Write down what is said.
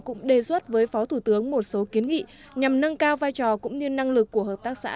cũng đề xuất với phó thủ tướng một số kiến nghị nhằm nâng cao vai trò cũng như năng lực của hợp tác xã